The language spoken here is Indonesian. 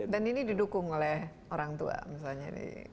dan ini didukung oleh orang tua misalnya